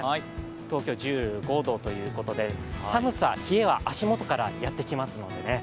東京、１５度ということで、寒さ、冷えは足元からやってきますので。